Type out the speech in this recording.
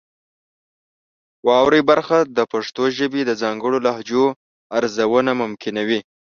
واورئ برخه د پښتو ژبې د ځانګړو لهجو ارزونه ممکنوي.